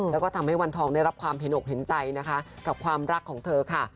แล้วก็ทำให้วันทองได้รับความเห็นอกเห็นใจนะคะกับความรักของเธอค่ะ